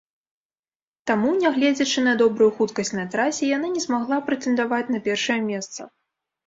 Таму, нягледзячы на добрую хуткасць на трасе, яна не змагла прэтэндаваць на першае месца.